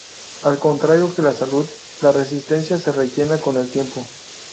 Al contrario que la salud, la resistencia se rellena con el tiempo.